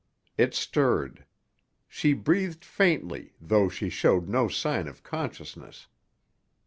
It stirred. She breathed faintly, though she showed no sign of consciousness.